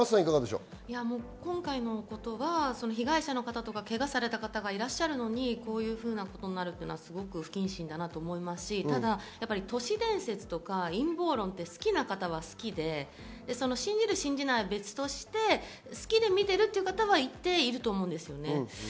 今回のことは被害者の方、けがされた方がいらっしゃるのにこういうふうになるのは不謹慎だと思いますし、ただ都市伝説とか陰謀論って好きな方は好きで、信じる信じないは別として、好きで見ている方は一定数いると思います。